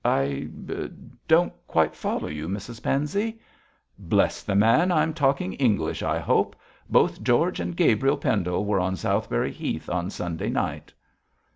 'I don't quite follow you, Mrs Pansey.' 'Bless the man, I'm talking English, I hope. Both George and Gabriel Pendle were on Southberry Heath on Sunday night.'